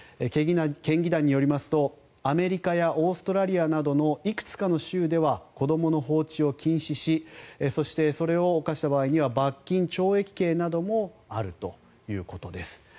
県議団によりますとアメリカやオーストラリアなどのいくつかの州では子どもの放置を禁止しそしてそれを犯した場合には罰金・懲役刑もあるということです。